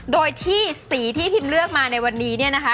โดยที่สีที่พิมเลือกมาในวันนี้เนี่ยนะคะ